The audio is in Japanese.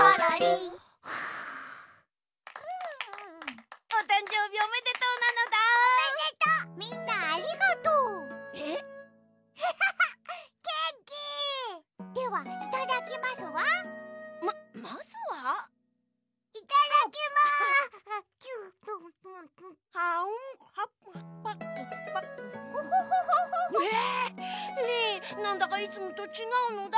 リンなんだかいつもとちがうのだ。